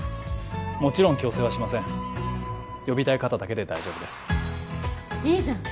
もちろん強制はしません呼びたい方だけで大丈夫ですいいじゃん